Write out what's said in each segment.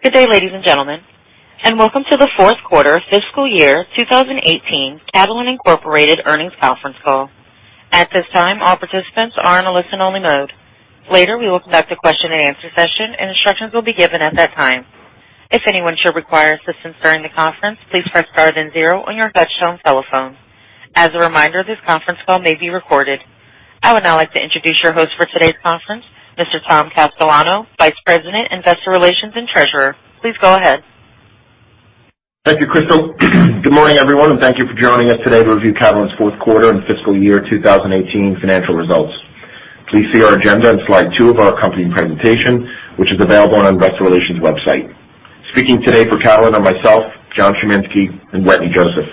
Good day, ladies and gentlemen, and welcome to the fourth Fiscal Year 2018 Catalent Incorporated earnings conference call. At this time, all participants are in a listen-only mode. Later, we will conduct a question-and-answer session, and instructions will be given at that time. If anyone should require assistance during the conference, please press star then zero on your touch-tone telephone. As a reminder, this conference call may be recorded. I would now like to introduce your host for today's conference, Mr. Tom Castellano, Vice President, Investor Relations and Treasurer. Please go ahead. Thank you, Crystal. Good morning, everyone, and thank you for joining us today to review Catalent's fourth Fiscal Year 2018 financial results. Please see our agenda and slide two of our accompanying presentation, which is available on Investor Relations' website. Speaking today for Catalent are myself, John Chiminski, and Wetteny Joseph.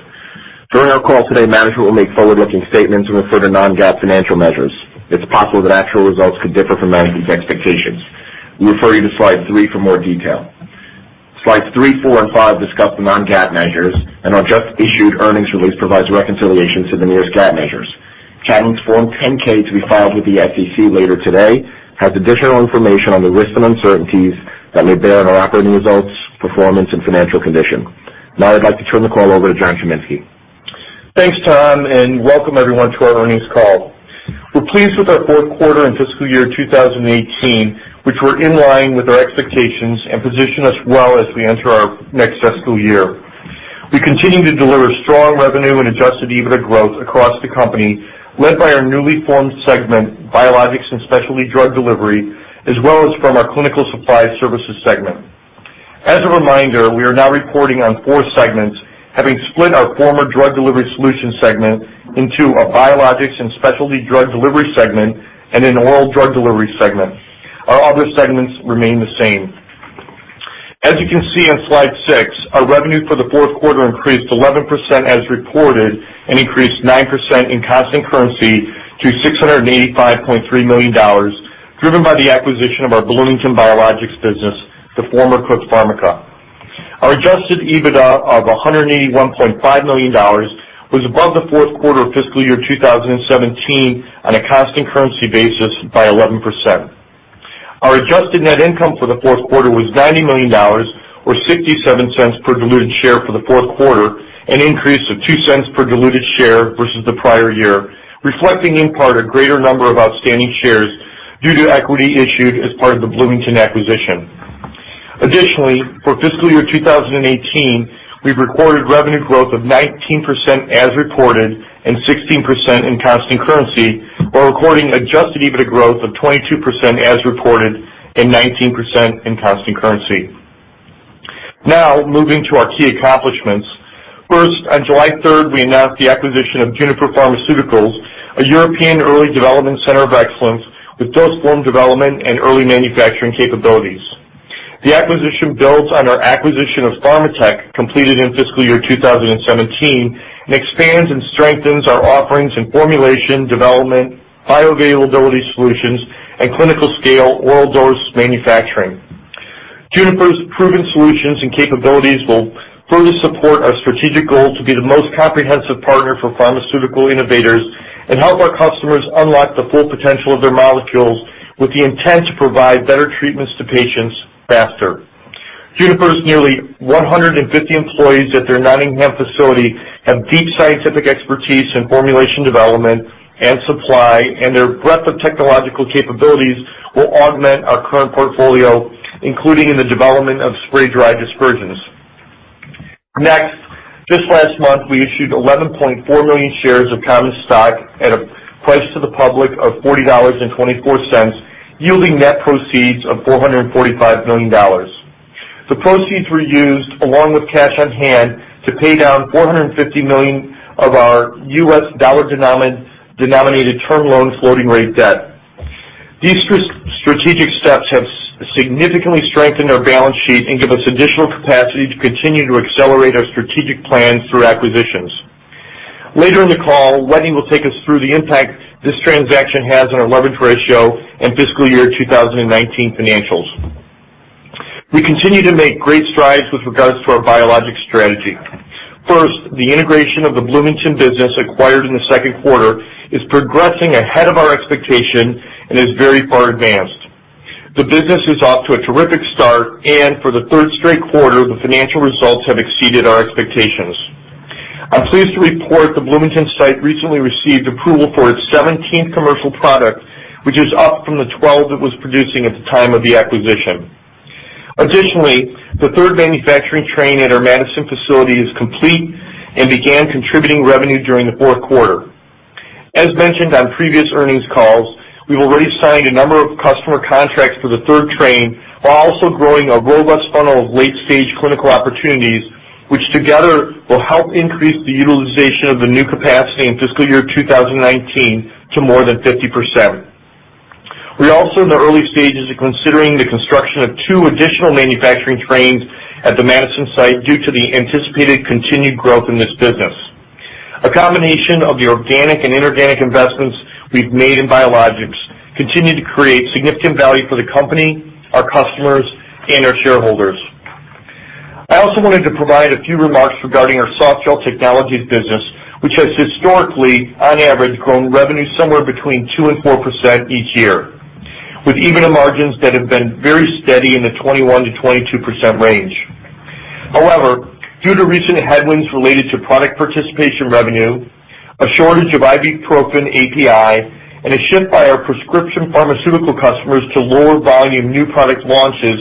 During our call today, management will make forward-looking statements and refer to non-GAAP financial measures. It's possible that actual results could differ from management's expectations. We refer you to Slide 3 for more detail. Slides 3, 4, and 5 discuss the non-GAAP measures, and our just-issued earnings release provides reconciliation to the nearest GAAP measures. Catalent's Form 10-K, to be filed with the SEC later today, has additional information on the risks and uncertainties that may bear on our operating results, performance, and financial condition. Now, I'd like to turn the call over to John Chiminski. Thanks, Tom, and welcome, everyone, to our earnings call. We're pleased with our fourth quartr Fiscal Year 2018, which were in line with our expectations and position as well as we enter our next fiscal year. We continue to deliver strong revenue and Adjusted EBITDA growth across the company, led by our newly formed segment, Biologics and Specialty Drug Delivery, as well as from our Clinical Supply Services segment. As a reminder, we are now reporting on four segments, having split our former Drug Delivery Solution segment into a Biologics and Specialty Drug Delivery segment and an Oral Drug Delivery segment. Our other segments remain the same. As you can see on Slide 6, our revenue for the fourth quarter increased 11% as reported and increased 9% in constant currency to $685.3 million, driven by the acquisition of our Bloomington Biologics business, the former Cook Pharmica. Our Adjusted EBITDA of $181.5 million was above the fourth quarter of Fiscal Year 2017 on a constant currency basis by Adjusted Net Income for the fourth quarter was $90 million, or $0.67 per diluted share for the fourth quarter, an increase of $0.02 per diluted share versus the prior year, reflecting in part a greater number of outstanding shares due to equity issued as part of the Bloomington acquisition. Fiscal Year 2018, we've recorded revenue growth of 19% as reported and 16% in constant currency, while recording Adjusted EBITDA growth of 22% as reported and 19% in constant currency. Now, moving to our key accomplishments. First, on July 3rd, we announced the acquisition of Juniper Pharmaceuticals, a European early development center of excellence with dose-form development and early manufacturing capabilities. The acquisition builds on our acquisition of Pharmatek, completed in Fiscal Year 2017, and expands and strengthens our offerings in formulation, development, bioavailability solutions, and clinical-scale oral dose manufacturing. Juniper's proven solutions and capabilities will further support our strategic goal to be the most comprehensive partner for pharmaceutical innovators and help our customers unlock the full potential of their molecules with the intent to provide better treatments to patients faster. Juniper's nearly 150 employees at their Nottingham facility have deep scientific expertise in formulation development and supply, and their breadth of technological capabilities will augment our current portfolio, including in the development of spray-dried dispersions. Next, just last month, we issued 11.4 million shares of Common Stock at a price to the public of $40.24, yielding net proceeds of $445 million. The proceeds were used, along with cash on hand, to pay down $450 million of our USD-denominated term loan floating-rate debt. These strategic steps have significantly strengthened our balance sheet and give us additional capacity to continue to accelerate our strategic plan through acquisitions. Later in the call, Wetteny will take us through the impact this transaction has on our leverage ratio and Fiscal Year 2019 financials. We continue to make great strides with regards to our biologics strategy. First, the integration of the Bloomington business acquired in the second quarter is progressing ahead of our expectation and is very far advanced. The business is off to a terrific start, and for the third straight quarter, the financial results have exceeded our expectations. I'm pleased to report the Bloomington site recently received approval for its 17th commercial product, which is up from the 12 that was producing at the time of the acquisition. Additionally, the third manufacturing train at our Madison facility is complete and began contributing revenue during the fourth quarter. As mentioned on previous earnings calls, we've already signed a number of customer contracts for the third train, while also growing a robust funnel of late-stage clinical opportunities, which together will help increase the utilization of the new capacity in Fiscal Year 2019 to more than 50%. We're also in the early stages of considering the construction of two additional manufacturing trains at the Madison site due to the anticipated continued growth in this business. A combination of the organic and inorganic investments we've made in biologics continues to create significant value for the company, our customers, and our shareholders. I also wanted to provide a few remarks regarding our Softgel Technologies business, which has historically, on average, grown revenue somewhere between 2%-4% each year, with EBITDA margins that have been very steady in the 21%-22% range. However, due to recent headwinds related to product participation revenue, a shortage of ibuprofen API, and a shift by our prescription pharmaceutical customers to lower-volume new product launches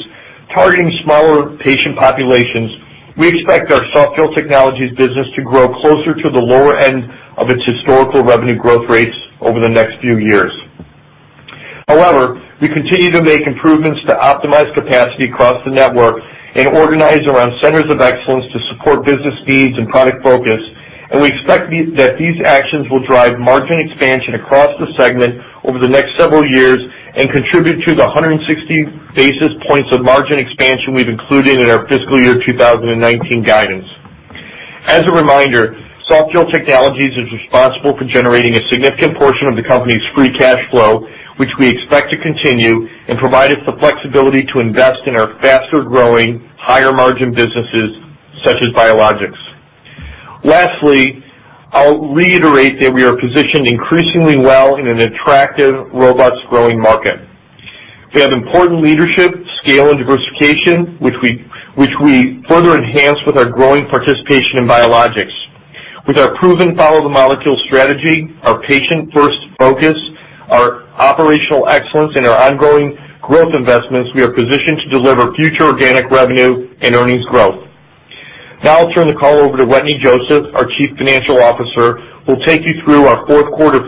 targeting smaller patient populations, we expect our Softgel Technologies business to grow closer to the lower end of its historical revenue growth rates over the next few years. However, we continue to make improvements to optimize capacity across the network and organize around centers of excellence to support business needs and product focus, and we expect that these actions will drive margin expansion across the segment over the next several years and contribute to the 160 basis points of margin expansion we've included in our Fiscal Year 2019 guidance. As a reminder, Softgel Technologies is responsible for generating a significant portion of the company's free cash flow, which we expect to continue and provide us the flexibility to invest in our faster-growing, higher-margin businesses such as biologics. Lastly, I'll reiterate that we are positioned increasingly well in an attractive, robust, growing market. We have important leadership, scale, and diversification, which we further enhance with our growing participation in biologics. With our proven follow-the-molecule strategy, our patient-first focus, our operational excellence, and our ongoing growth investments, we are positioned to deliver future organic revenue and earnings growth. Now, I'll turn the call over to Wetteny Joseph, our Chief Financial Officer, who will take you through our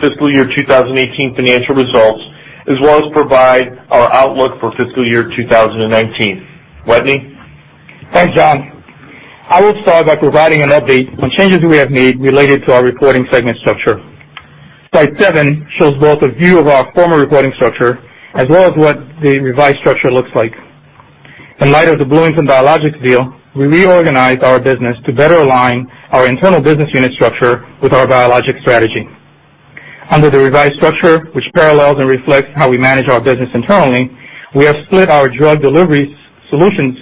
Fiscal Year 2018 financial results, as well as provide our outlook for Fiscal Year 2019. Wetteny. Thanks, John. I will start by providing an update on changes we have made related to our reporting segment structure. Slide 7 shows both a view of our former reporting structure as well as what the revised structure looks like. In light of the Bloomington Biologics deal, we reorganized our business to better align our internal business unit structure with our biologics strategy. Under the revised structure, which parallels and reflects how we manage our business internally, we have split our Drug Delivery Solutions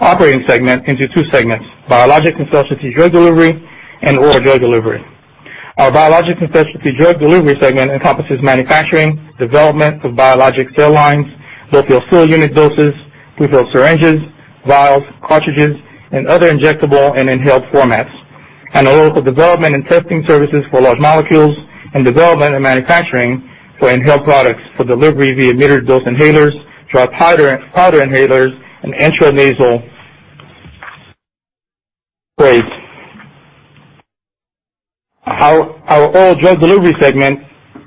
operating segment into two segments: Biologics and Specialty Drug Delivery and oral drug delivery. Our Biologics and Specialty Drug Delivery segment encompasses manufacturing, development of biologics cell lines, blow-fill-seal unit doses, pre-filled syringes, vials, cartridges, and other injectable and inhaled formats, and the local development and testing services for large molecules and development and manufacturing for inhaled products for delivery via metered dose inhalers, dry powder inhalers, and intranasal sprays. Our oral drug delivery segment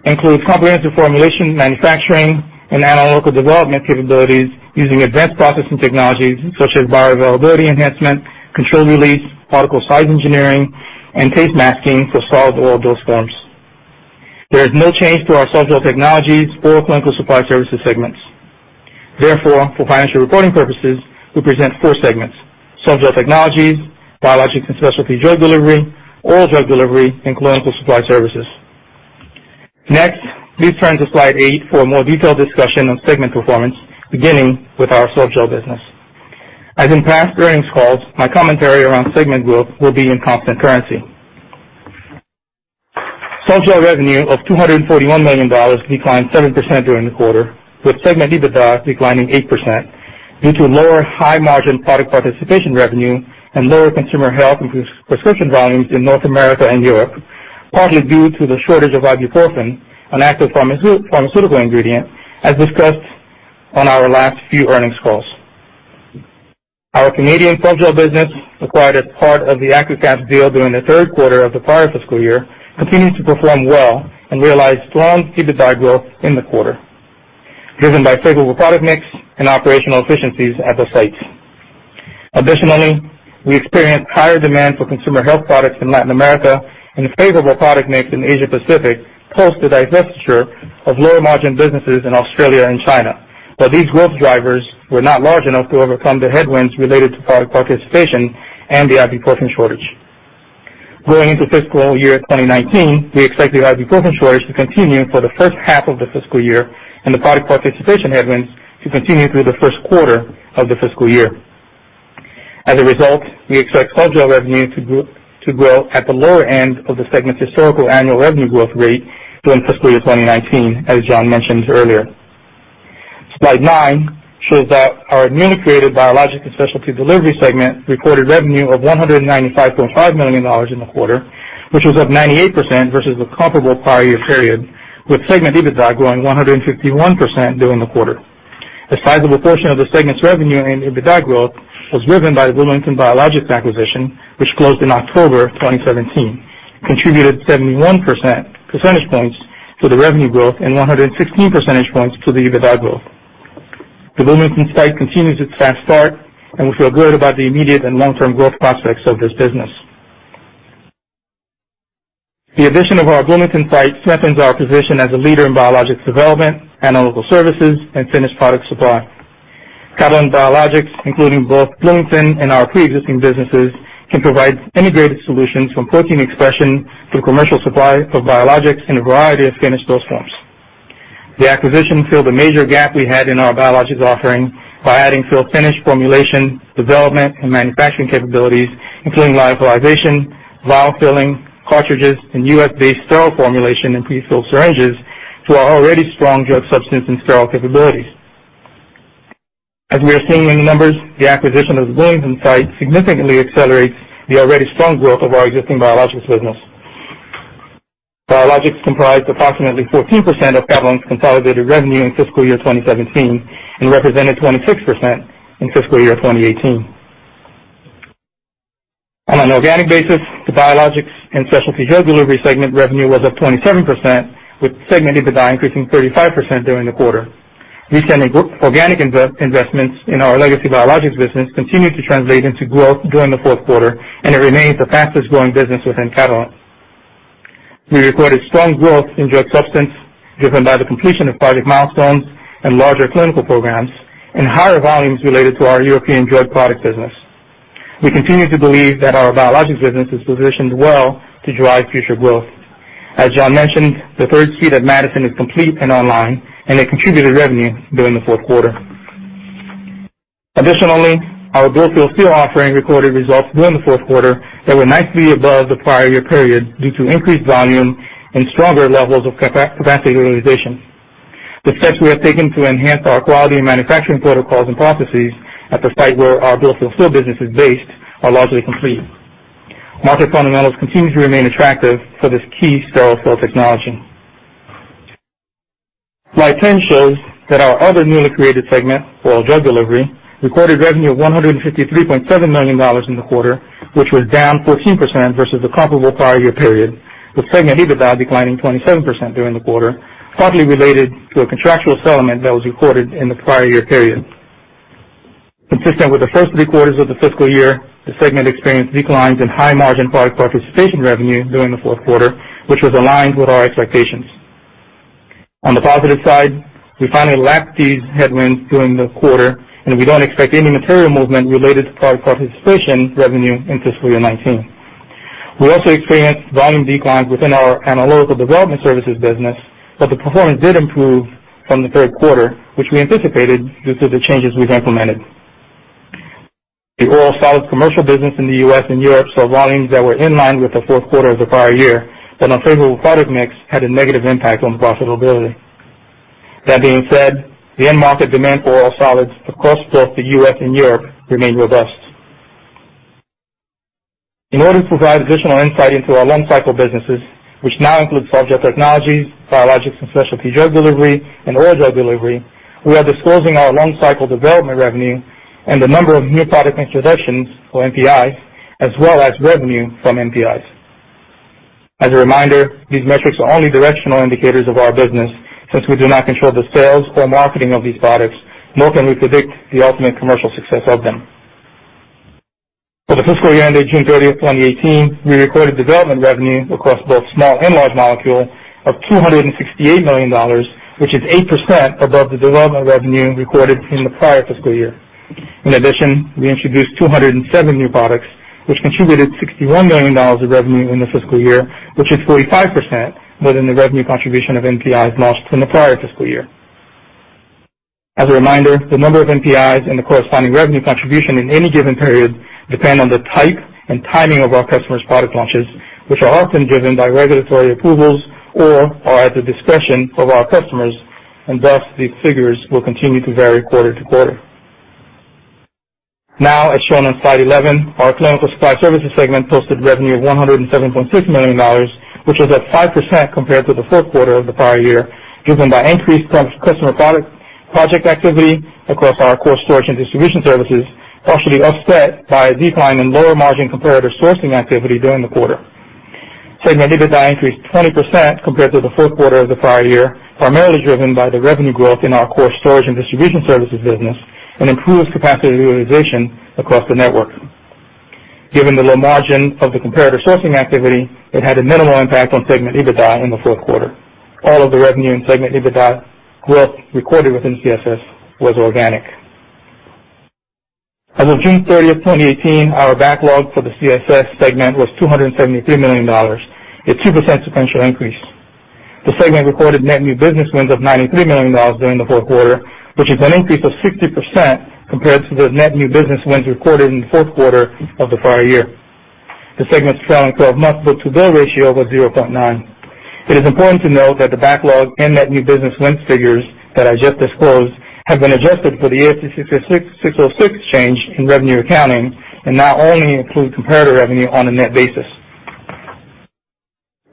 includes comprehensive formulation, manufacturing, and analytical development capabilities using advanced processing technologies such as bioavailability enhancement, controlled release, particle size engineering, and taste masking for solid oral dose forms. There is no change to our Softgel Technologies or Clinical Supply Services segments. Therefore, for financial reporting purposes, we present four segments: Softgel Technologies, Biologics and Specialty Drug Delivery, oral drug delivery, and Clinical Supply Services. Next, please turn to slide eight for a more detailed discussion on segment performance, beginning with our Softgel business. As in past earnings calls, my commentary around segment growth will be in constant currency. Softgel revenue of $241 million declined 7% during the quarter, with segment EBITDA declining 8% due to lower high-margin product participation revenue and lower consumer health and prescription volumes in North America and Europe, partly due to the shortage of ibuprofen, an active pharmaceutical ingredient, as discussed on our last few earnings calls. Our Canadian Softgel business, acquired as part of the Accucaps deal during the third quarter of the prior fiscal year, continues to perform well and realize strong EBITDA growth in the quarter, driven by favorable product mix and operational efficiencies at the sites. Additionally, we experienced higher demand for consumer health products in Latin America and favorable product mix in Asia-Pacific post the divestiture of lower-margin businesses in Australia and China, but these growth drivers were not large enough to overcome the headwinds related to product participation and the ibuprofen shortage. Going into Fiscal Year 2019, we expect the ibuprofen shortage to continue for the first half of the fiscal year and the product participation headwinds to continue through the first quarter of the fiscal year. As a result, we expect Softgel revenue to grow at the lower end of the segment's historical annual revenue growth rate during Fiscal Year 2019, as John mentioned earlier. Slide nine shows that our newly created biologics and specialty delivery segment reported revenue of $195.5 million in the quarter, which was up 98% versus a comparable prior year period, with segment EBITDA growing 151% during the quarter. A sizable portion of the segment's revenue and EBITDA growth was driven by the Bloomington Biologics acquisition, which closed in October 2017, contributed 71 percentage points to the revenue growth and 116 percentage points to the EBITDA growth. The Bloomington site continues its fast start, and we feel good about the immediate and long-term growth prospects of this business. The addition of our Bloomington site strengthens our position as a leader in biologics development, analytical services, and finished product supply. Catalent Biologics, including both Bloomington and our pre-existing businesses, can provide integrated solutions from protein expression to the commercial supply of biologics in a variety of finished dose forms. The acquisition filled the major gap we had in our biologics offering by adding fill-finish formulation, development, and manufacturing capabilities, including lyophilization, vial filling, cartridges, and U.S.-based sterile formulation and prefilled syringes to our already strong drug substance and sterile capabilities. As we are seeing in the numbers, the acquisition of the Bloomington site significantly accelerates the already strong growth of our existing biologics business. Biologics comprised approximately 14% of Catalent's consolidated revenue in Fiscal Year 2017 and represented Fiscal Year 2018. on an organic basis, the Biologics and Specialty Drug Delivery segment revenue was up 27%, with segment EBITDA increasing 35% during the quarter. Increasing organic investments in our legacy biologics business continued to translate into growth during the fourth quarter, and it remains the fastest-growing business within Catalent. We recorded strong growth in drug substance driven by the completion of project milestones and larger clinical programs and higher volumes related to our European drug product business. We continue to believe that our biologics business is positioned well to drive future growth. As John mentioned, the third suite at Madison is complete and online, and it contributed revenue during the fourth quarter. Additionally, our blow-fill-seal offering recorded results during the fourth quarter that were nicely above the prior year period due to increased volume and stronger levels of capacity utilization. The steps we have taken to enhance our quality and manufacturing protocols and processes at the site where our blow-fill-seal business is based are largely complete. Market fundamentals continue to remain attractive for this key sterile fill technology. Slide 10 shows that our other newly created segment, oral drug delivery, recorded revenue of $153.7 million in the quarter, which was down 14% versus a comparable prior year period, with segment EBITDA declining 27% during the quarter, partly related to a contractual settlement that was recorded in the prior year period. Consistent with the first three quarters of the fiscal year, the segment experienced declines in high-margin product participation revenue during the fourth quarter, which was aligned with our expectations. On the positive side, we finally lacked these headwinds during the quarter, and we don't expect any material movement related to product participation revenue in Fiscal Year 2019. We also experienced volume declines within our analytical development services business, but the performance did improve from the third quarter, which we anticipated due to the changes we've implemented. The oral solid commercial business in the U.S. and Europe saw volumes that were in line with the fourth quarter of the prior year, but unfavorable product mix had a negative impact on profitability. That being said, the end market demand for oral solids across both the U.S. and Europe remained robust. In order to provide additional insight into our long-cycle businesses, which now include Softgel Technologies, Biologics and Specialty Drug Delivery, and oral drug delivery, we are disclosing our long-cycle development revenue and the number of new product introductions or NPIs, as well as revenue from NPIs. As a reminder, these metrics are only directional indicators of our business since we do not control the sales or marketing of these products, nor can we predict the ultimate commercial success of them. For the fiscal year ended June 30th, 2018, we recorded development revenue across both small and large molecule of $268 million, which is 8% above the development revenue recorded in the prior fiscal year. In addition, we introduced 207 new products, which contributed $61 million of revenue in the fiscal year, which is 45% more than the revenue contribution of NPIs launched in the prior fiscal year. As a reminder, the number of NPIs and the corresponding revenue contribution in any given period depend on the type and timing of our customers' product launches, which are often given by regulatory approvals or are at the discretion of our customers, and thus these figures will continue to vary quarter to quarter. Now, as shown on Slide 11, our Clinical Supply Services segment posted revenue of $107.6 million, which is up 5% compared to the fourth quarter of the prior year, driven by increased customer project activity across our core storage and distribution services, partially offset by a decline in lower-margin comparative sourcing activity during the quarter. Segment EBITDA increased 20% compared to the fourth quarter of the prior year, primarily driven by the revenue growth in our core storage and distribution services business and improved capacity utilization across the network. Given the low margin of the comparative sourcing activity, it had a minimal impact on segment EBITDA in the fourth quarter. All of the revenue and segment EBITDA growth recorded within CSS was organic. As of June 30th, 2018, our backlog for the CSS segment was $273 million, a 2% sequential increase. The segment recorded net new business wins of $93 million during the fourth quarter, which is an increase of 60% compared to the net new business wins recorded in the fourth quarter of the prior year. The segment's trailing 12-month book-to-bill ratio was 0.9. It is important to note that the backlog and net new business wins figures that I just disclosed have been adjusted for the ASC 606 change in revenue accounting and now only include comparative revenue on a net basis.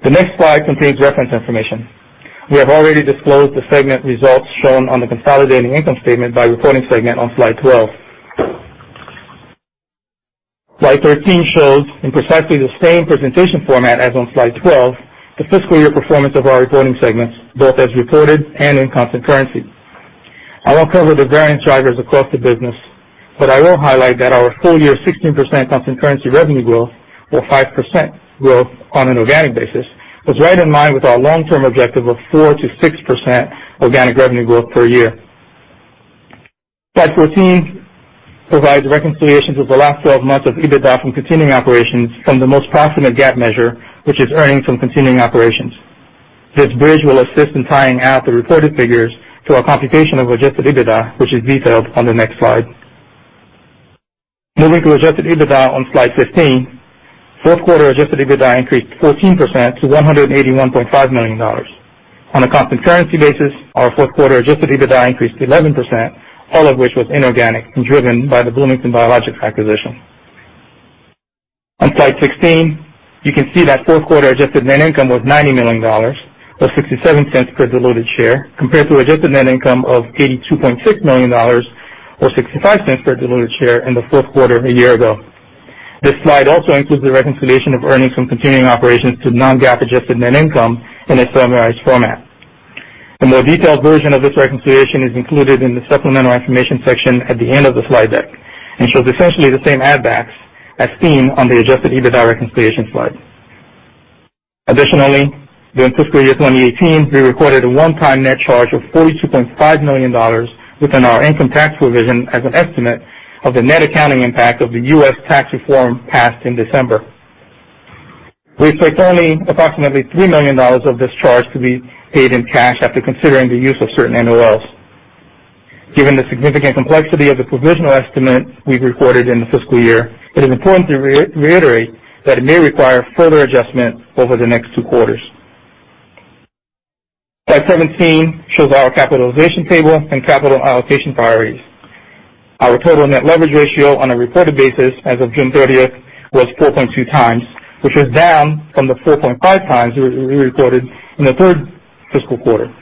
The next slide contains reference information. We have already disclosed the segment results shown on the consolidated income statement by reporting segment on slide 12. Slide 13 shows, in precisely the same presentation format as on slide 12, the fiscal year performance of our reporting segments, both as reported and in constant currency. I won't cover the variance drivers across the business, but I will highlight that our full year 16% constant currency revenue growth, or 5% growth on an organic basis, was right in line with our long-term objective of 4%-6% organic revenue growth per year. Slide 14 provides reconciliation to the last 12 months of EBITDA from continuing operations from the most profitable GAAP measure, which is earnings from continuing operations. This bridge will assist in tying out the reported figures to our computation of Adjusted EBITDA, which is detailed on the next slide. Moving to Adjusted EBITDA on Slide 15, fourth quarter Adjusted EBITDA increased 14% to $181.5 million. On a constant currency basis, our fourth quarter Adjusted EBITDA increased 11%, all of which was inorganic and driven by the Bloomington Biologics acquisition. On Slide 16, you can see that Adjusted Net Income was $90 million, or $0.67 per diluted share, Adjusted Net Income of $82.6 million, or $0.65 per diluted share in the fourth quarter a year ago. This slide also includes the reconciliation of earnings from continuing operations Adjusted Net Income in a summarized format. A more detailed version of this reconciliation is included in the supplemental information section at the end of the slide deck and shows essentially the same add-backs as seen on the Adjusted EBITDA reconciliation slide. Fiscal Year 2018, we recorded a one-time net charge of $42.5 million within our income tax provision as an estimate of the net accounting impact of the U.S. tax reform passed in December. We expect only approximately $3 million of this charge to be paid in cash after considering the use of certain NOLs. Given the significant complexity of the provisional estimate we've recorded in the fiscal year, it is important to reiterate that it may require further adjustment over the next two quarters. Slide 17 shows our capitalization table and capital allocation priorities. Our total net leverage ratio on a reported basis as of June 30th was 4.2x, which was down from the 4.5x we recorded in the third fiscal quarter.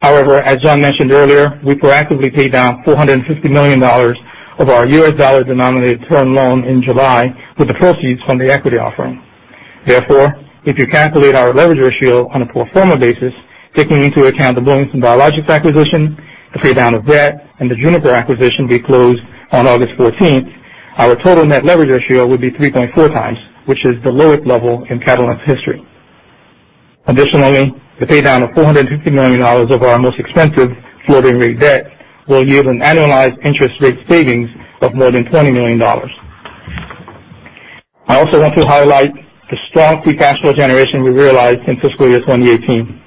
However, as John mentioned earlier, we proactively paid down $450 million of our U.S. dollar denominated term loan in July with the proceeds from the equity offering. Therefore, if you calculate our leverage ratio on a pro forma basis, taking into account the Bloomington Biologics acquisition, the paydown of debt, and the Juniper acquisition we closed on August 14th, our total net leverage ratio would be 3.4x, which is the lowest level in Catalent's history. Additionally, the paydown of $450 million of our most expensive floating rate debt will yield an annualized interest rate savings of more than $20 million. I also want to highlight the strong free cash flow generation we Fiscal Year 2018.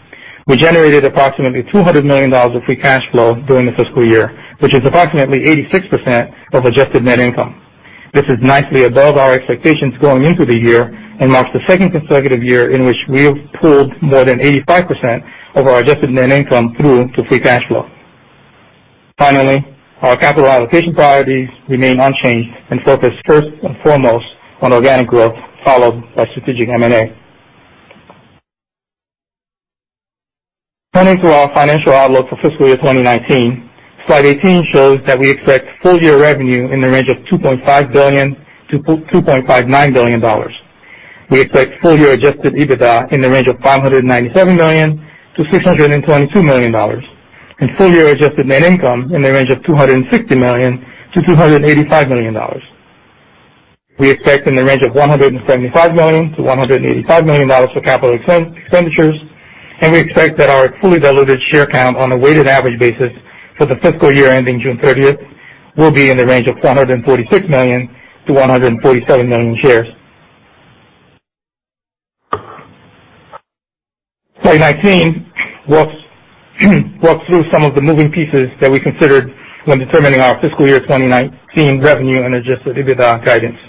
we generated approximately $200 million of free cash flow during the fiscal year, which is approximately Adjusted Net Income. this is nicely above our expectations going into the year and marks the second consecutive year in which we've pulled more than 85% Adjusted Net Income through to free cash flow. Finally, our capital allocation priorities remain unchanged and focus first and foremost on organic growth, followed by strategic M&A. Turning to our financial outlook for Fiscal Year 2019, Slide 18 shows that we expect full year revenue in the range of $2.5 billion-$2.59 billion. We expect full year Adjusted EBITDA in the range of $597 million-$622 million, and Adjusted Net Income in the range of $260 million-$285 million. We expect in the range of $175 million-$185 million for capital expenditures, and we expect that our fully diluted share count on a weighted average basis for the fiscal year ending June 30th will be in the range of $146 million-$147 million shares. Slide 19 walks through some of the moving pieces that we considered when determining our Fiscal Year 2019 revenue and Adjusted EBITDA guidance.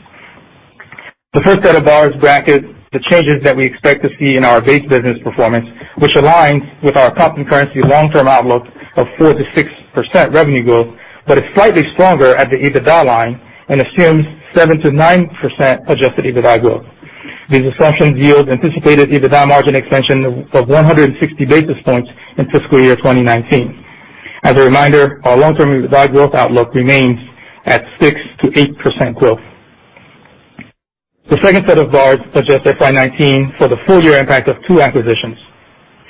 The first set of bars brackets the changes that we expect to see in our base business performance, which aligns with our constant currency long-term outlook of 4%-6% revenue growth, but is slightly stronger at the EBITDA line and assumes 7%-9% Adjusted EBITDA growth. These assumptions yield anticipated EBITDA margin expansion of 160 basis points in Fiscal Year 2019. As a reminder, our long-term EBITDA growth outlook remains at 6%-8% growth. The second set of bars suggests FY 2019 for the full year impact of two acquisitions.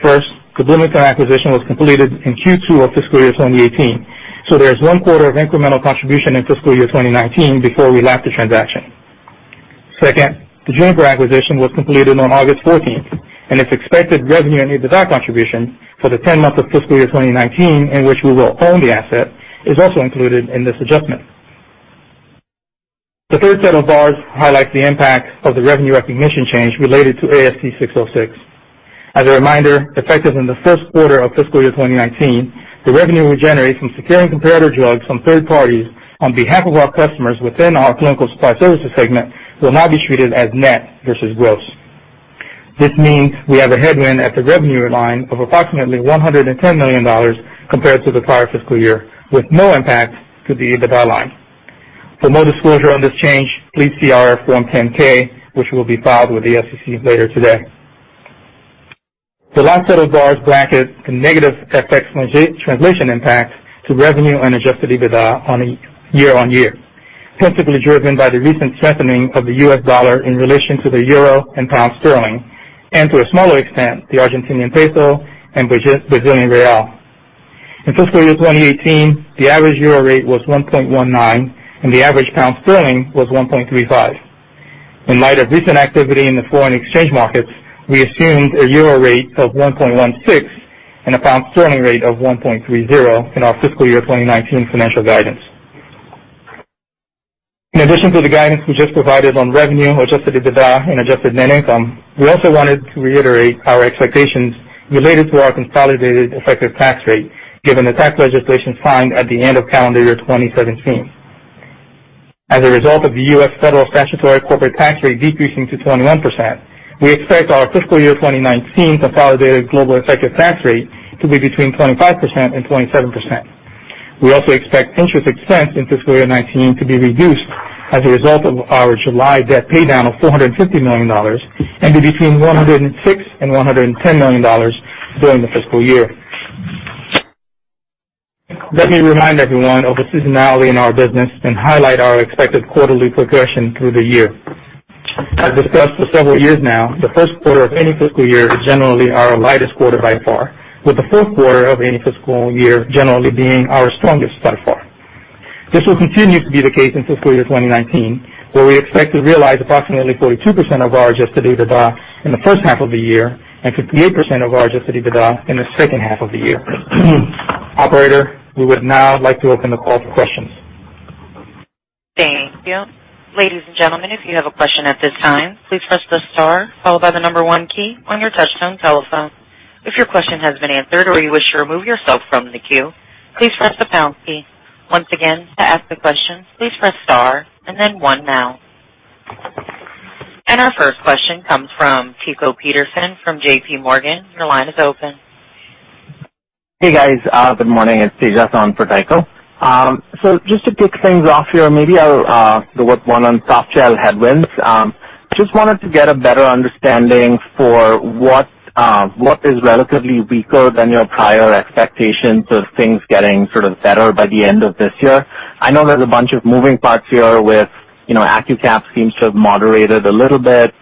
First, the Bloomington acquisition was completed in Fiscal Year 2018, so there is one quarter of incremental contribution in Fiscal Year 2019 before the last transaction. Second, the Juniper acquisition was completed on August 14th, and its expected revenue and EBITDA contribution for the 10-month of Fiscal Year 2019, in which we will own the asset, is also included in this adjustment. The third set of bars highlights the impact of the revenue recognition change related to ASC 606. As a reminder, effective in the first quarter of Fiscal Year 2019, the revenue we generate from securing comparative drugs from third parties on behalf of our customers within our Clinical Supply Services segment will now be treated as net versus gross. This means we have a headwind at the revenue line of approximately $110 million compared to the prior fiscal year, with no impact to the EBITDA line. For more disclosure on this change, please see our Form 10-K, which will be filed with the SEC later today. The last set of bars brackets the negative FX translation impact to revenue and Adjusted EBITDA year-on-year, principally driven by the recent strengthening of the U.S. dollar in relation to the euro and pound sterling, and to a smaller extent, the Argentinian peso and Brazilian Fiscal Year 2018, the average euro rate was 1.19x, and the average pound sterling was 1.35x. In light of recent activity in the foreign exchange markets, we assumed a euro rate of 1.16x and a pound sterling rate of 1.30x in our Fiscal Year 2019 financial guidance. In addition to the guidance we just provided on revenue, Adjusted Net Income, we also wanted to reiterate our expectations related to our consolidated effective tax rate, given the tax legislation signed at the end of calendar year 2017. As a result of the U.S. federal statutory corporate tax rate decreasing to 21%, we expect our Fiscal Year 2019 consolidated global effective tax rate to be between 25%-27%. We also expect interest expense in Fiscal Year 2019 to be reduced as a result of our July debt paydown of $450 million and be between $106 million-$110 million during the fiscal year. Let me remind everyone of the seasonality in our business and highlight our expected quarterly progression through the year. As discussed for several years now, the first quarter of any fiscal year is generally our lightest quarter by far, with the fourth quarter of any fiscal year generally being our strongest by far. This will continue to be the case in Fiscal Year 2019, where we expect to realize approximately 42% of our Adjusted EBITDA in the first half of the year and 58% of our Adjusted EBITDA in the second half of the year. Operator, we would now like to open the call for questions. Thank you. Ladies and gentlemen, if you have a question at this time, please press the star, followed by the number one key on your touch-tone telephone. If your question has been answered or you wish to remove yourself from the queue, please press the pound key. Once again, to ask a question, please press star and then one now. And our first question comes from Tycho Peterson from JPMorgan. Your line is open. Hey, guys. Good morning. It's Tejas Savant. So just to kick things off here, maybe I'll do one on Softgel headwinds. Just wanted to get a better understanding for what is relatively weaker than your prior expectations of things getting sort of better by the end of this year. I know there's a bunch of moving parts here with Accucaps seems to have moderated a little bit.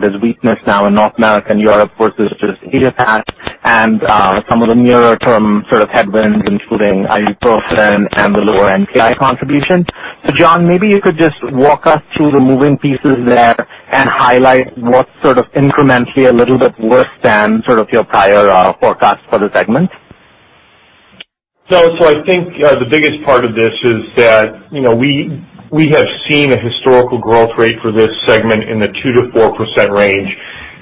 There's weakness now in North America and Europe versus just Asia-Pacific and some of the nearer-term sort of headwinds, including ibuprofen and the lower NPI contribution. So John, maybe you could just walk us through the moving pieces there and highlight what's sort of incrementally a little bit worse than sort of your prior forecast for the segment. So I think the biggest part of this is that we have seen a historical growth rate for this segment in the 2%-4% range,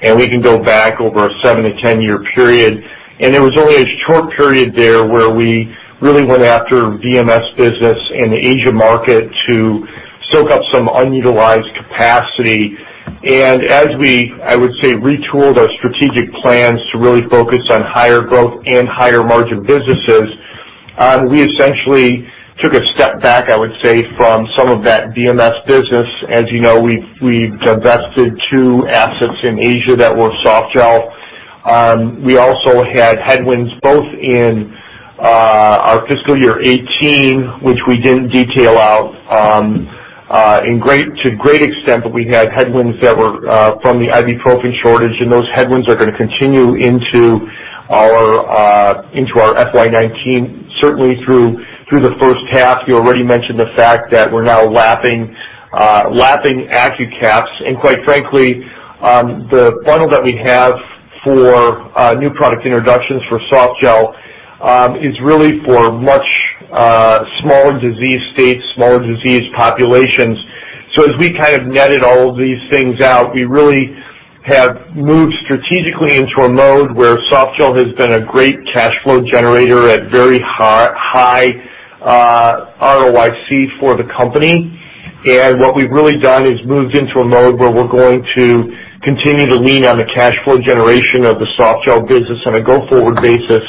and we can go back over a 7-10-year period. There was only a short period there where we really went after VMS business in the Asia market to soak up some unutilized capacity. As we, I would say, retooled our strategic plans to really focus on higher growth and higher margin businesses, we essentially took a step back, I would say, from some of that VMS business. As you know, we've invested two assets in Asia that were Softgel. We also had headwinds both Fiscal Year 2018, which we didn't detail out to great extent, but we had headwinds that were from the ibuprofen shortage, and those headwinds are going to continue into our FY 2019, certainly through the first half. You already mentioned the fact that we're now lapping Accucaps, and quite frankly, the funnel that we have for new product introductions for Softgel is really for much smaller disease states, smaller disease populations. So as we kind of netted all of these things out, we really have moved strategically into a mode where Softgel has been a great cash flow generator at very high ROIC for the company. And what we've really done is moved into a mode where we're going to continue to lean on the cash flow generation of the Softgel business on a go-forward basis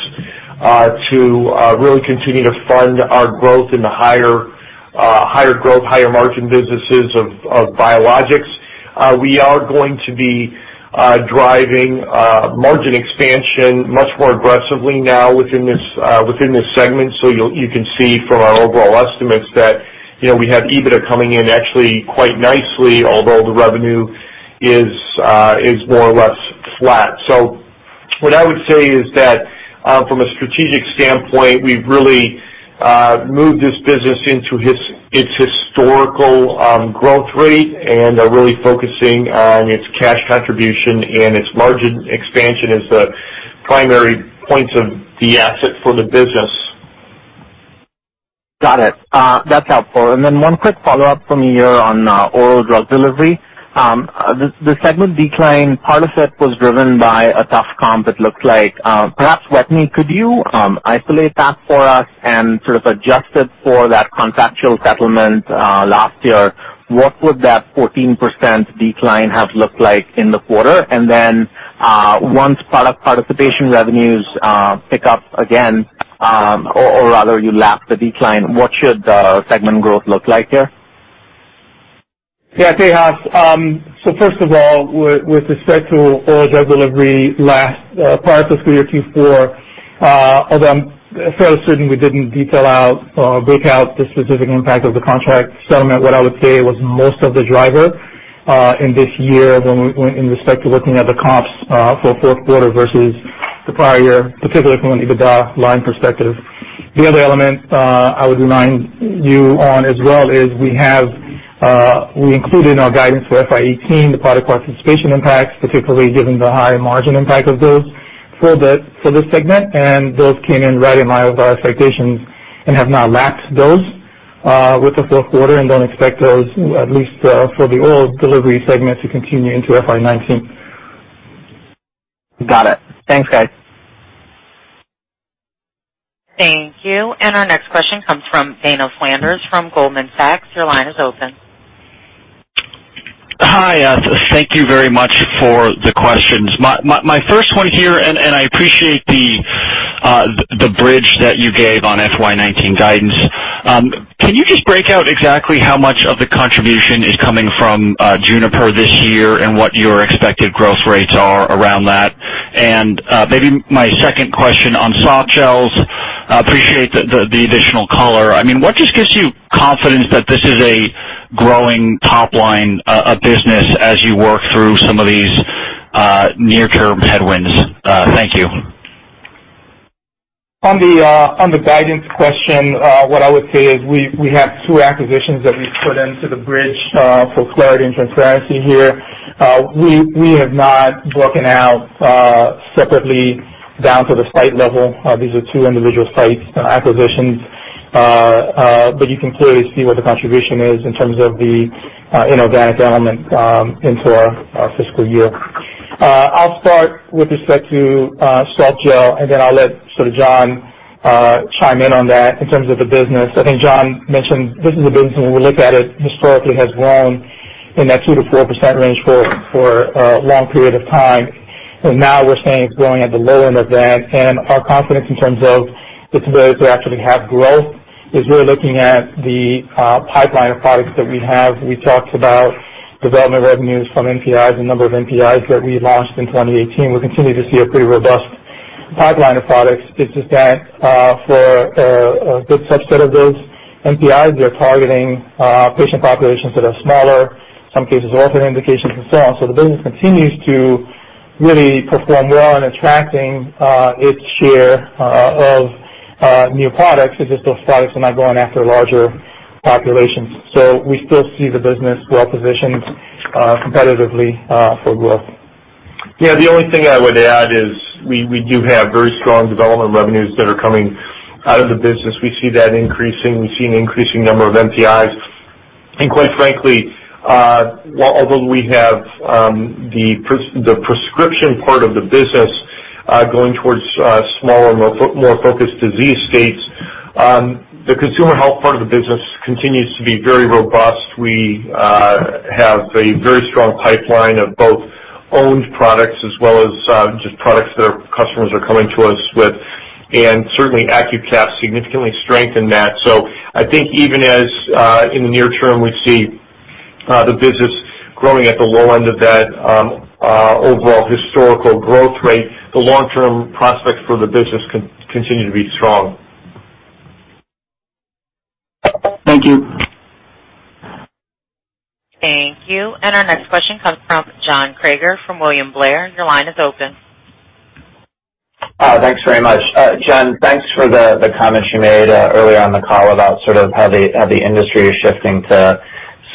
to really continue to fund our growth in the higher growth, higher margin businesses of biologics. We are going to be driving margin expansion much more aggressively now within this segment. So you can see from our overall estimates that we have EBITDA coming in actually quite nicely, although the revenue is more or less flat. So what I would say is that from a strategic standpoint, we've really moved this business into its historical growth rate and are really focusing on its cash contribution and its margin expansion as the primary points of the asset for the business. Got it. That's helpful. And then one quick follow-up from here on oral drug delivery. The segment decline, part of it was driven by a tough comp, it looks like. Perhaps, Wetteny, could you isolate that for us and sort of adjust it for that contractual settlement last year? What would that 14% decline have looked like in the quarter? And then once product participation revenues pick up again, or rather you lap the decline, what should the segment growth look like here? Yeah, Tejas. So first of all, with respect to oral drug delivery prior fiscal year Q4, although I'm fairly certain we didn't detail out or break out the specific impact of the contract settlement, what I would say was most of the driver in this year in respect to looking at the comps for fourth quarter versus the prior year, particularly from an EBITDA line perspective. The other element I would remind you on as well is we included in our guidance for FY 2018 the product participation impacts, particularly given the high margin impact of those for this segment, and those came in right in line with our expectations and have now lapped those with the fourth quarter and don't expect those, at least for the oral delivery segment, to continue into FY 2019. Got it. Thanks, guys. Thank you. And our next question comes from Dana Flanders from Goldman Sachs. Your line is open. Hi, yes. Thank you very much for the questions. My first one here, and I appreciate the bridge that you gave on FY 2019 guidance. Can you just break out exactly how much of the contribution is coming from Juniper this year and what your expected growth rates are around that? And maybe my second question on Softgels, appreciate the additional color. I mean, what just gives you confidence that this is a growing top-line business as you work through some of these near-term headwinds? Thank you. On the guidance question, what I would say is we have two acquisitions that we've put into the bridge for clarity and transparency here. We have not broken out separately down to the site level. These are two individual site acquisitions, but you can clearly see what the contribution is in terms of the inorganic element into our fiscal year. I'll start with respect to Softgel, and then I'll let sort of John chime in on that in terms of the business. I think John mentioned this is a business, and when we look at it, historically has grown in that 2%-4% range for a long period of time, and now we're saying it's growing at the low end of that, and our confidence in terms of its ability to actually have growth is really looking at the pipeline of products that we have. We talked about development revenues from NPIs, the number of NPIs that we launched in 2018. We'll continue to see a pretty robust pipeline of products. It's just that for a good subset of those NPIs, they're targeting patient populations that are smaller, some cases orphan indications, and so on. The business continues to really perform well in attracting its share of new products as if those products are now going after larger populations. We still see the business well-positioned competitively for growth. Yeah, the only thing I would add is we do have very strong development revenues that are coming out of the business. We see that increasing. We've seen an increasing number of NPIs. And quite frankly, although we have the prescription part of the business going towards smaller, more focused disease states, the consumer health part of the business continues to be very robust. We have a very strong pipeline of both owned products as well as just products that our customers are coming to us with. And certainly, Accucaps significantly strengthened that. So I think even as in the near term, we see the business growing at the low end of that overall historical growth rate, the long-term prospects for the business continue to be strong. Thank you. Thank you. And our next question comes from John Kreger from William Blair. Your line is open. Thanks very much. John, thanks for the comments you made earlier on the call about sort of how the industry is shifting to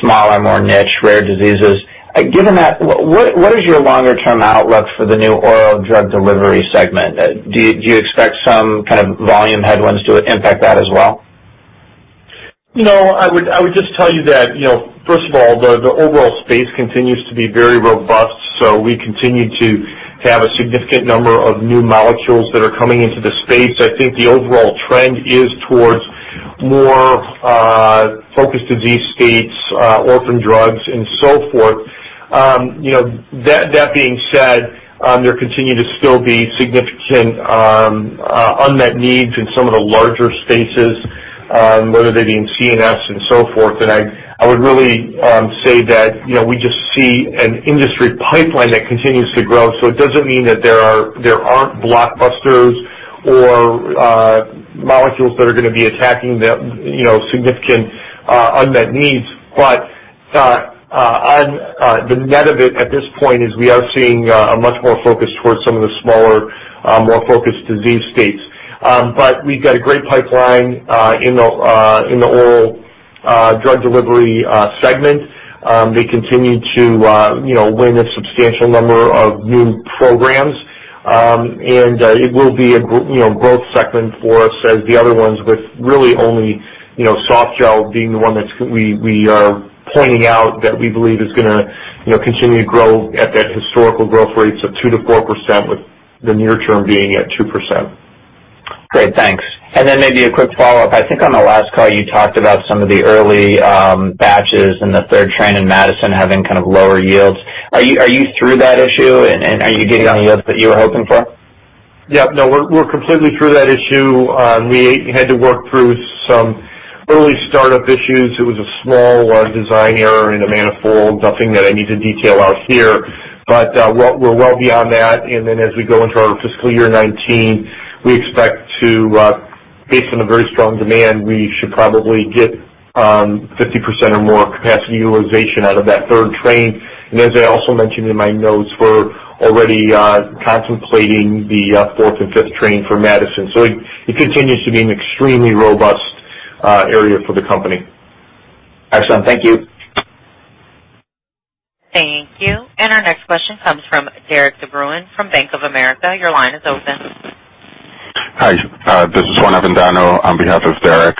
smaller, more niche, rare diseases. Given that, what is your longer-term outlook for the new oral drug delivery segment? Do you expect some kind of volume headwinds to impact that as well? No, I would just tell you that, first of all, the overall space continues to be very robust. So we continue to have a significant number of new molecules that are coming into the space. I think the overall trend is towards more focused disease states, orphan drugs, and so forth. That being said, there continue to still be significant unmet needs in some of the larger spaces, whether they be in CNS and so forth. And I would really say that we just see an industry pipeline that continues to grow. So it doesn't mean that there aren't blockbusters or molecules that are going to be attacking significant unmet needs. But the net of it at this point is we are seeing a much more focus towards some of the smaller, more focused disease states. But we've got a great pipeline in the oral drug delivery segment. They continue to win a substantial number of new programs. It will be a growth segment for us as the other ones, with really only Softgel being the one that we are pointing out that we believe is going to continue to grow at that historical growth rates of 2%-4%, with the near term being at 2%. Great. Thanks. And then maybe a quick follow-up. I think on the last call, you talked about some of the early batches and the third train in Madison having kind of lower yields. Are you through that issue, and are you getting the yields that you were hoping for? Yep. No, we're completely through that issue. We had to work through some early startup issues. It was a small design error in a manifold, nothing that I need to detail out here. But we're well beyond that. Then as we go into our Fiscal Year 2019, we expect to, based on the very strong demand, we should probably get 50% or more capacity utilization out of that third train. And as I also mentioned in my notes, we're already contemplating the fourth and fifth train for Madison. So it continues to be an extremely robust area for the company. Excellent. Thank you. Thank you. And our next question comes from Derik de Bruin from Bank of America. Your line is open. Hi. This is Juan Avendano on behalf of Derek.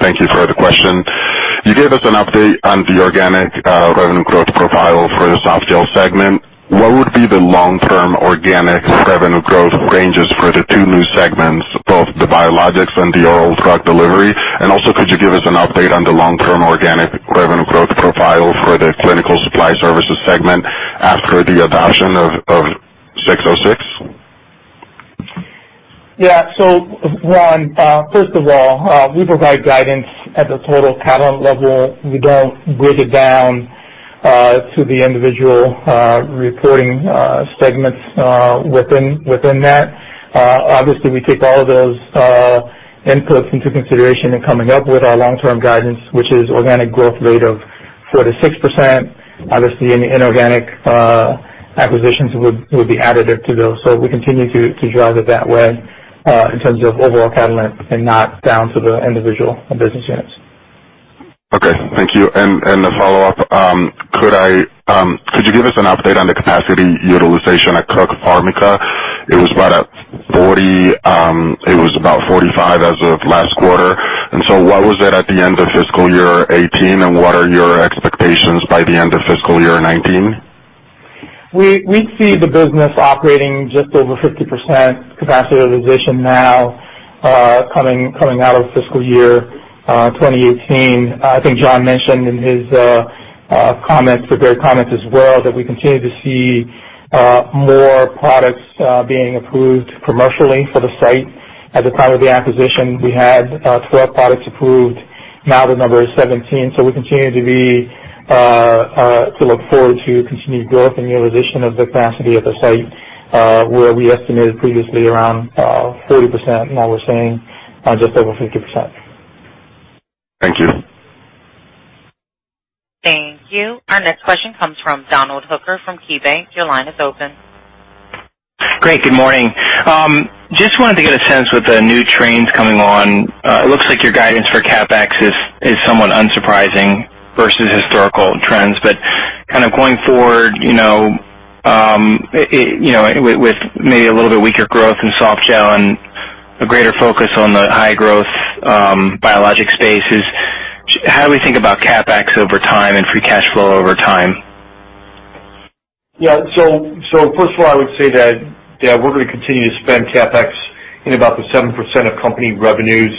Thank you for the question. You gave us an update on the organic revenue growth profile for the Softgel segment. What would be the long-term organic revenue growth ranges for the two new segments, both the biologics and the oral drug delivery? And also, could you give us an update on the long-term organic revenue growth profile for the Clinical Supply Services segment after the adoption of 606? Yeah. So Juan, first of all, we provide guidance at the total Catalent level. We don't break it down to the individual reporting segments within that. Obviously, we take all of those inputs into consideration in coming up with our long-term guidance, which is organic growth rate of 4%-6%. Obviously, any inorganic acquisitions would be added to those. So we continue to drive it that way in terms of overall Catalent and not down to the individual business units. Okay. Thank you. And a follow-up, could you give us an update on the capacity utilization at Cook Pharmica? It was about 40%. It was about 45% as of last quarter. What was it at the Fiscal Year 2018, and what are your expectations by the end of Fiscal Year 2019? We see the business operating just over 50% capacity utilization now coming Fiscal Year 2018. i think John mentioned in his comments, prepared comments as well, that we continue to see more products being approved commercially for the site. At the time of the acquisition, we had 12 products approved. Now the number is 17. So we continue to look forward to continued growth and utilization of the capacity of the site, where we estimated previously around 40%, and now we're seeing just over 50%. Thank you. Thank you. Our next question comes from Donald Hooker from KeyBanc. Your line is open. Great. Good morning. Just wanted to get a sense with the new trains coming on. It looks like your guidance for CapEx is somewhat unsurprising versus historical trends. But kind of going forward, with maybe a little bit weaker growth in Softgel and a greater focus on the high-growth biologics spaces, how do we think about CapEx over time and free cash flow over time? Yeah. First of all, I would say that we're going to continue to spend CapEx in about the 7% of company revenues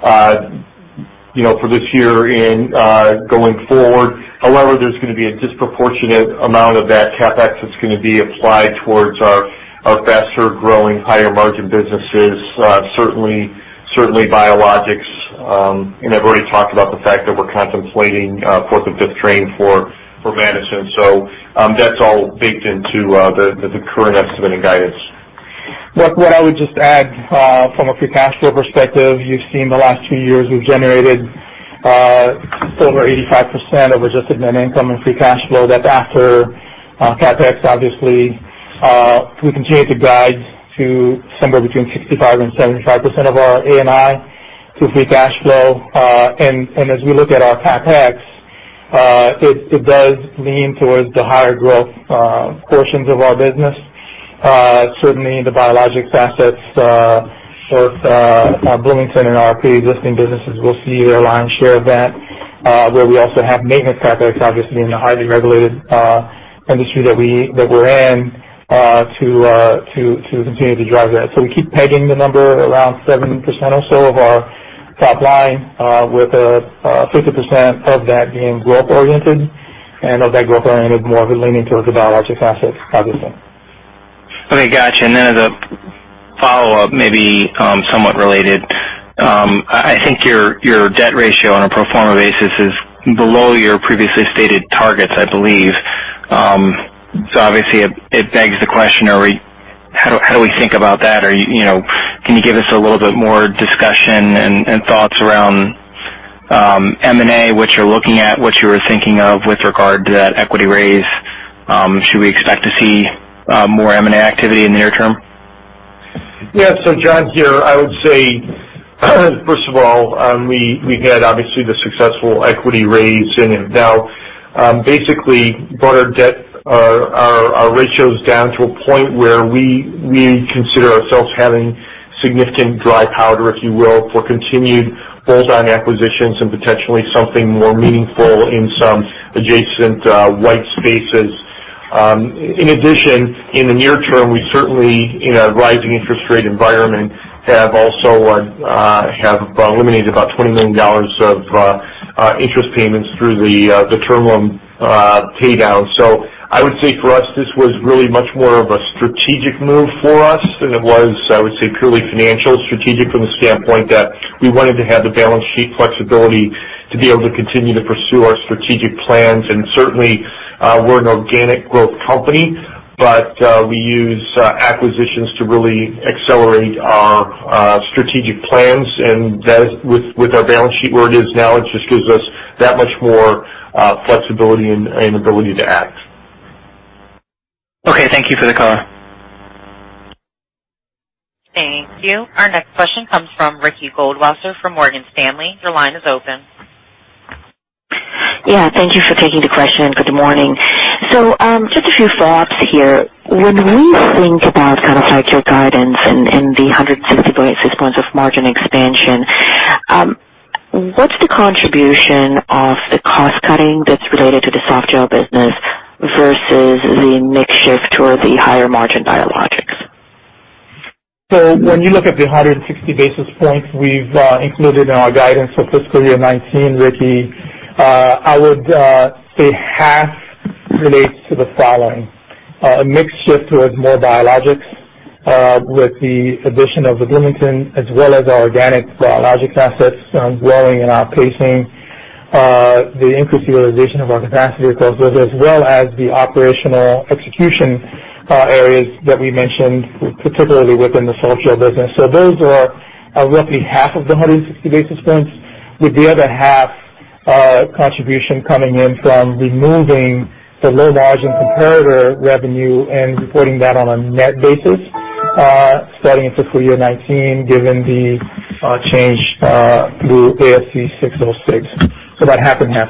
for this year and going forward. However, there's going to be a disproportionate amount of that CapEx that's going to be applied towards our faster-growing, higher-margin businesses, certainly biologics. And I've already talked about the fact that we're contemplating fourth and fifth train for Madison. That's all baked into the current estimate and guidance. What I would just add from a free cash flow perspective, you've seen the last two years we've generated over Adjusted Net Income in free cash flow. That's after CapEx, obviously. We continue to guide to somewhere between 65% and 75% of our A&I to free cash flow, and as we look at our CapEx, it does lean towards the higher-growth portions of our business. Certainly, the biologics assets with Bloomington and our pre-existing businesses, we'll see their lion's share of that, where we also have maintenance CapEx, obviously, in the highly regulated industry that we're in, to continue to drive that. So we keep pegging the number around 7% or so of our top line, with 50% of that being growth-oriented, and of that growth-oriented, more of it leaning towards the biologic assets, obviously. Okay. Gotcha. Then as a follow-up, maybe somewhat related, I think your debt ratio on a pro forma basis is below your previously stated targets, I believe. So obviously, it begs the question, how do we think about that? Can you give us a little bit more discussion and thoughts around M&A, what you're looking at, what you were thinking of with regard to that equity raise? Should we expect to see more M&A activity in the near term? Yeah. So John here, I would say, first of all, we've had, obviously, the successful equity raise. And have now basically brought our ratios down to a point where we consider ourselves having significant dry powder, if you will, for continued bolt-on acquisitions and potentially something more meaningful in some adjacent white spaces. In addition, in the near term, we certainly, in a rising interest rate environment, have also eliminated about $20 million of interest payments through the term loan paydown. So I would say for us, this was really much more of a strategic move for us than it was, I would say, purely financial, strategic from the standpoint that we wanted to have the balance sheet flexibility to be able to continue to pursue our strategic plans. And certainly, we're an organic growth company, but we use acquisitions to really accelerate our strategic plans. And with our balance sheet where it is now, it just gives us that much more flexibility and ability to act. Okay. Thank you for the color. Thank you. Our next question comes from Ricky Goldwasser from Morgan Stanley. Your line is open. Yeah. Thank you for taking the question. Good morning. So just a few thoughts here. When we think about kind of your guidance and the 160 points of margin expansion, what's the contribution of the cost cutting that's related to the Softgel business versus the spray-dried dispersions toward the higher-margin biologics? So when you look at the 160 basis points we've included in our guidance for Fiscal Year 2019, Ricky, I would say half relates to the following: a mix shift towards more biologics with the addition of the Bloomington, as well as our organic biologic assets growing and outpacing the increased utilization of our capacity across those, as well as the operational execution areas that we mentioned, particularly within the Softgel business. So those are roughly half of the 160 basis points. With the other half contribution coming in from removing the low-margin comparator revenue and reporting that on a net basis starting in Fiscal Year 2019, given the change through ASC 606. So about half and half.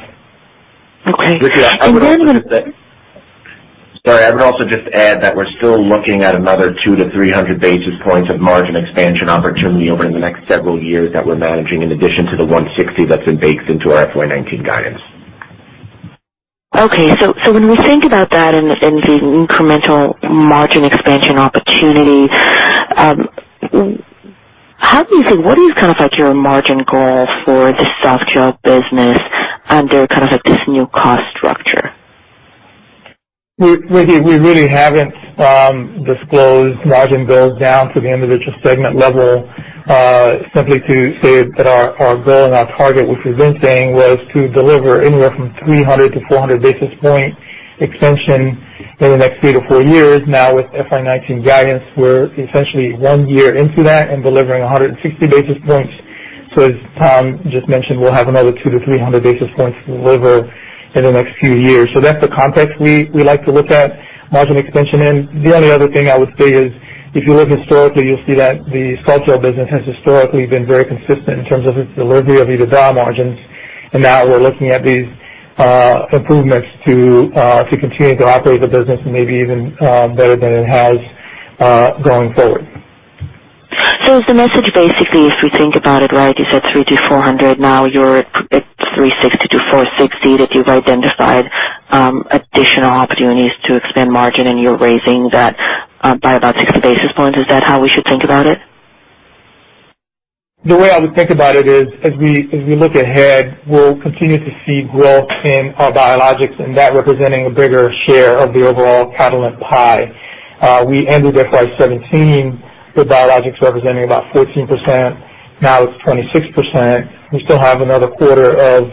Okay. And then I'm going to say—Sorry. I would also just add that we're still looking at another 200-300 basis points of margin expansion opportunity over the next several years that we're managing, in addition to the 160 that's been baked into our FY 2019 guidance. Okay. So when we think about that and the incremental margin expansion opportunity, how do you think—what is kind of your margin goal for the Softgel business under kind of this new cost structure? We really haven't disclosed margin goals down to the individual segment level. Simply to say that our goal and our target, which we've been saying, was to deliver anywhere from 300 to 400 basis point extension in the next three to four years. Now, with FY 2019 guidance, we're essentially one year into that and delivering 160 basis points. So as Tom just mentioned, we'll have another 200-300 basis points to deliver in the next few years. So that's the context we like to look at margin expansion. And the only other thing I would say is, if you look historically, you'll see that the Softgel business has historically been very consistent in terms of its delivery of EBITDA margins. And now we're looking at these improvements to continue to operate the business, maybe even better than it has going forward. So the message, basically, if we think about it right, is at three to 400. Now you're at 360-460 that you've identified additional opportunities to expand margin, and you're raising that by about 60 basis points. Is that how we should think about it? The way I would think about it is, as we look ahead, we'll continue to see growth in our biologics, and that representing a bigger share of the overall Catalent pie. We ended FY 2017 with biologics representing about 14%. Now it's 26%. We still have another quarter of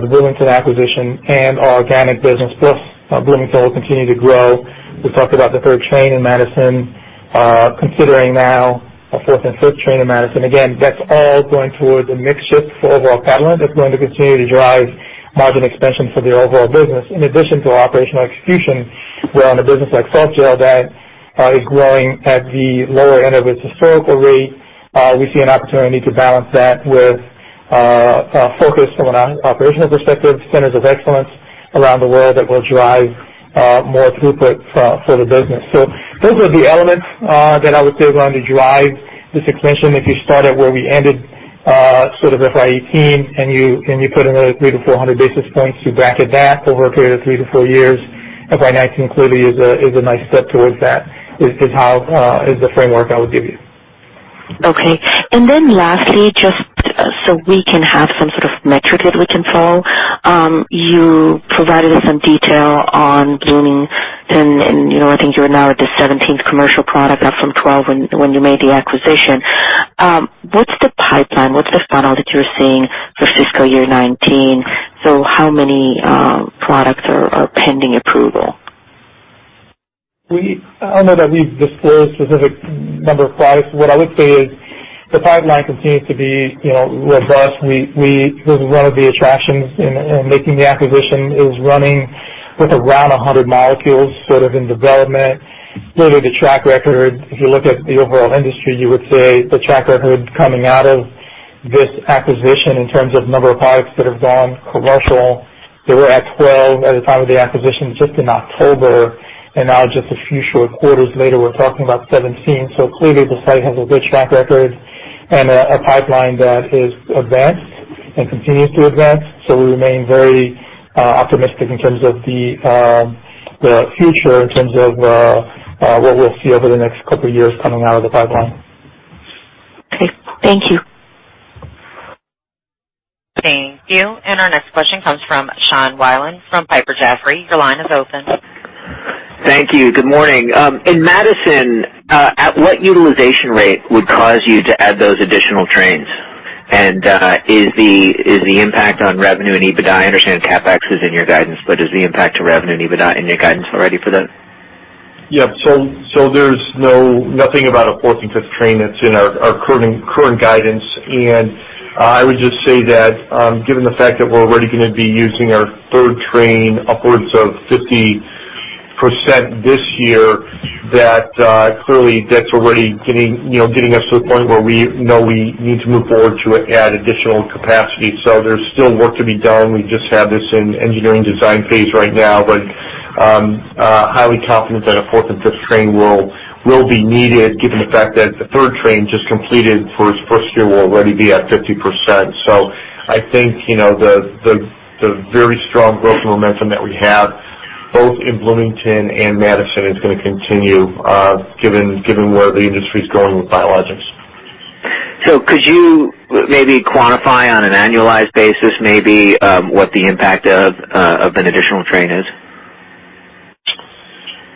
the Bloomington acquisition and our organic business, plus Bloomington will continue to grow. We talked about the third train in Madison, considering now a fourth and fifth train in Madison. Again, that's all going towards a mix shift for overall Catalent. It's going to continue to drive margin expansion for the overall business. In addition to operational execution, we're on a business like Softgel that is growing at the lower end of its historical rate. We see an opportunity to balance that with focus from an operational perspective, centers of excellence around the world that will drive more throughput for the business. So those are the elements that I would say are going to drive this expansion. If you start at where we ended sort of FY 2018 and you put in another 300-400 basis points to bracket that over a period of three to four years, FY 2019 clearly is a nice step towards that, is the framework I would give you. Okay. And then lastly, just so we can have some sort of metric that we can follow, you provided us some detail on Bloomington, and I think you're now at the 17th commercial product, up from 12 when you made the acquisition. What's the pipeline? What's the funnel that you're seeing for Fiscal Year 2019? So how many products are pending approval? I don't know that we've disclosed a specific number of products. What I would say is the pipeline continues to be robust. One of the attractions in making the acquisition is running with around 100 molecules sort of in development. Really, the track record, if you look at the overall industry, you would say the track record coming out of this acquisition in terms of number of products that have gone commercial, they were at 12 at the time of the acquisition, just in October. And now, just a few short quarters later, we're talking about 17. So clearly, the site has a good track record and a pipeline that is advanced and continues to advance. So we remain very optimistic in terms of the future, in terms of what we'll see over the next couple of years coming out of the pipeline. Okay. Thank you. Thank you. And our next question comes from Sean Wieland from Piper Jaffray. Your line is open. Thank you. Good morning. In Madison, at what utilization rate would cause you to add those additional trains? And is the impact on revenue and EBITDA, I understand CapEx is in your guidance, but is the impact to revenue and EBITDA in your guidance already for that? Yep. So there's nothing about a fourth and fifth train that's in our current guidance. I would just say that, given the fact that we're already going to be using our third train upwards of 50% this year, that clearly that's already getting us to a point where we know we need to move forward to add additional capacity. So there's still work to be done. We just have this in engineering design phase right now, but I'm highly confident that a fourth and fifth train will be needed, given the fact that the third train just completed for its first year will already be at 50%. So I think the very strong growth momentum that we have, both in Bloomington and Madison, is going to continue given where the industry's going with biologics. So could you maybe quantify on an annualized basis maybe what the impact of an additional train is?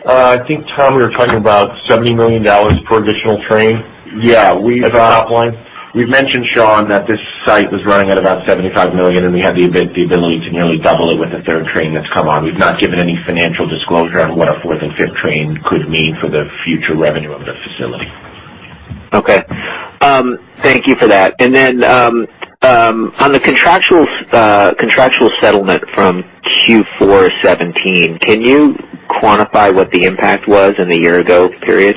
I think, Tom, we were talking about $70 million for additional train at the top line. We've mentioned, Sean, that this site was running at about $75 million, and we had the ability to nearly double it with the third train that's come on. We've not given any financial disclosure on what a fourth and fifth train could mean for the future revenue of the facility. Okay. Thank you for that. And then on the contractual settlement from Q4 2017, can you quantify what the impact was in the year-ago period?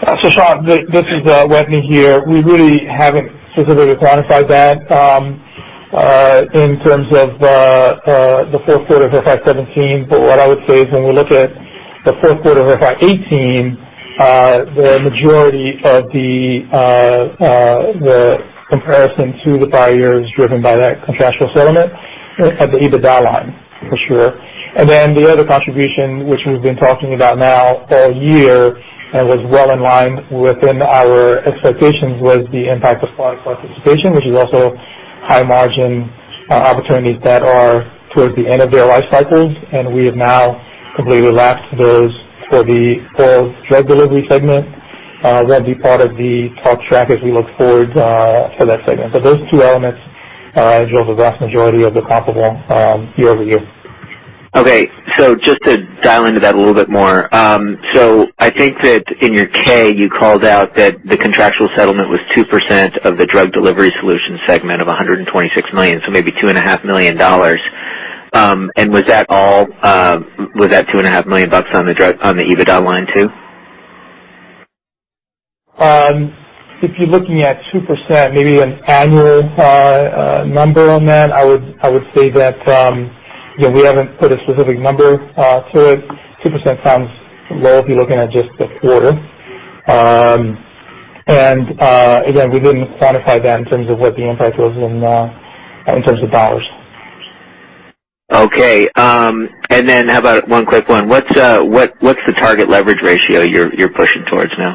So, Sean, this is Wetteny here. We really haven't specifically quantified that in terms of the fourth quarter of FY 2017. But what I would say is, when we look at the fourth quarter of FY 2018, the majority of the comparison to the prior year is driven by that contractual settlement at the EBITDA line, for sure. Then the other contribution, which we've been talking about now all year and was well in line within our expectations, was the impact of product participation, which is also high-margin opportunities that are towards the end of their life cycles. And we have now completely lapsed those for the oral drug delivery segment. It won't be part of the talk track as we look forward for that segment. But those two elements drove the vast majority of the comparable year-over-year. Okay. So just to dial into that a little bit more, so I think that in your 10-K, you called out that the contractual settlement was 2% of the Drug Delivery Solution segment of $126 million, so maybe $2.5 million. And was that all? Was that $2.5 million bucks on the EBITDA line too? If you're looking at 2%, maybe an annual number on that, I would say that we haven't put a specific number to it. 2% sounds low if you're looking at just the quarter. And again, we didn't quantify that in terms of what the impact was in terms of dollars. Okay. And then how about one quick one? What's the target leverage ratio you're pushing towards now?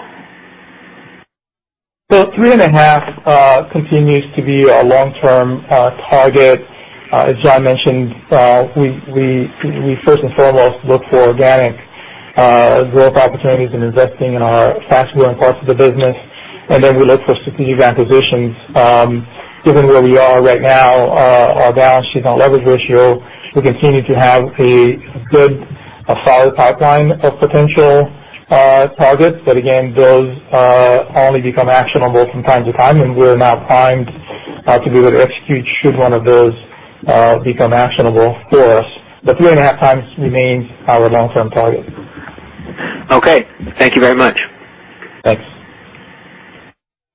So 3.5 continues to be our long-term target. As John mentioned, we first and foremost look for organic growth opportunities and investing in our fast-growing parts of the business. And then we look for strategic acquisitions. Given where we are right now, our balance sheet on leverage ratio, we continue to have a good solid pipeline of potential targets. But again, those only become actionable from time to time, and we're now primed to be able to execute should one of those become actionable for us. But 3.5x remains our long-term target. Okay. Thank you very much. Thanks.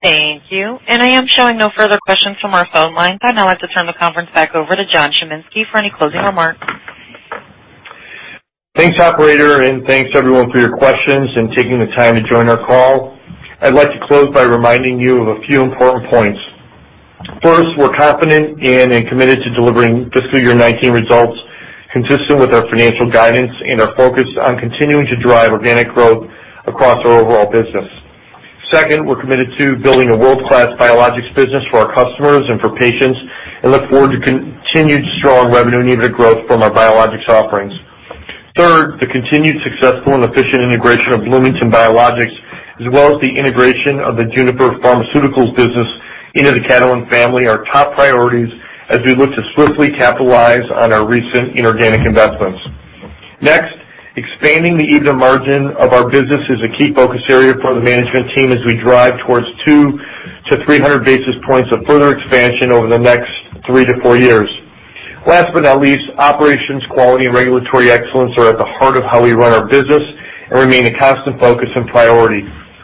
Thank you. And I am showing no further questions from our phone line. I'd now like to turn the conference back over to John Chiminski for any closing remarks. Thanks, operator. And thanks, everyone, for your questions and taking the time to join our call. I'd like to close by reminding you of a few important points. First, we're confident in and committed to delivering Fiscal Year 2019 results consistent with our financial guidance and our focus on continuing to drive organic growth across our overall business. Second, we're committed to building a world-class biologics business for our customers and for patients and look forward to continued strong revenue and EBITDA growth from our biologics offerings. Third, the continued successful and efficient integration of Bloomington Biologics, as well as the integration of the Juniper Pharmaceuticals business into the Catalent family, are top priorities as we look to swiftly capitalize on our recent inorganic investments. Next, expanding the EBITDA margin of our business is a key focus area for the management team as we drive towards 200 to 300 basis points of further expansion over the next three to four years. Last but not least, operations, quality, and regulatory excellence are at the heart of how we run our business and remain a constant focus and priority.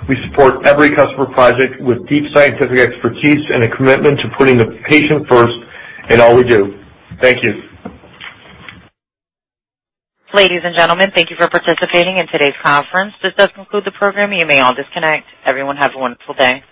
We support every customer project with deep scientific expertise and a commitment to putting the patient first in all we do. Thank you. Ladies and gentlemen, thank you for participating in today's conference. This does conclude the program. You may all disconnect. Everyone, have a wonderful day.